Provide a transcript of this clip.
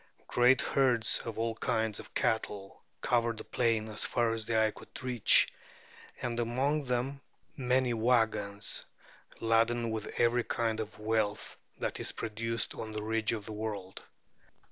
Great herds of all kinds of cattle covered the plain as far as the eye could reach, and among them many wagons, laden with every kind of wealth that is produced on the ridge of the world.